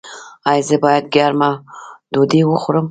ایا زه باید ګرمه ډوډۍ وخورم؟